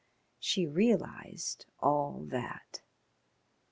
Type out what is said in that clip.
She realised all that.